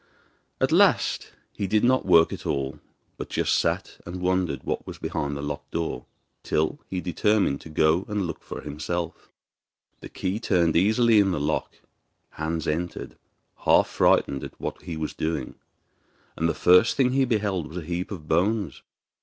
At last he did no work at all, but just sat and wondered what was behind the locked door, till he determined to go and look for himself. The key turned easily in the lock. Hans entered, half frightened at what he was doing, and the first thing he beheld was a heap of bones.